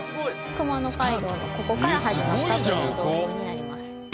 熊野街道がここから始まったという道標になります。